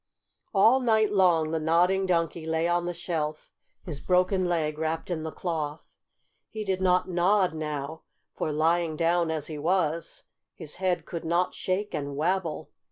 All night long the Nodding Donkey lay on the shelf, his broken leg wrapped in the cloth. He did not nod now, for, lying down as he was, his head could not shake and wabble.